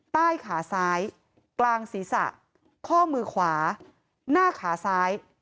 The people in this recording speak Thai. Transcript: ใต้ขาซ้ายกลางศีรษะข้อมือขวาหน้าขาซ้าย